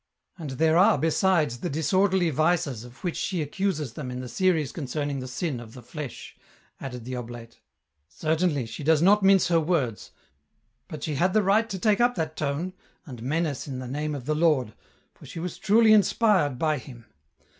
" And there are besides the disorderly vices of which she u a 292 EN ROUTE. accuses them in the series concerning the sin of the flesh," added the oblate. " Certainly, she does not mince her words, but she had the right to take up that tone, aad menace in the name of the Lord, for she was truly inspired by Him.